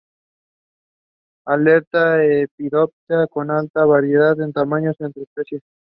Aleta adiposa con alta variabilidad de tamaños entre especies.